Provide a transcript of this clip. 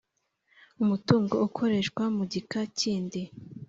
Umutungo ukoreshwa mu gika kindi